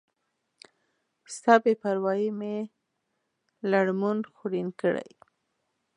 ستا بی پروایي می لړمون خوړین کړی